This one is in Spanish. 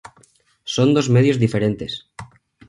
Son dos medios diferentes.